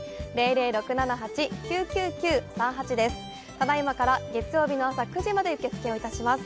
ただいまから月曜日の朝９時まで受付をいたします。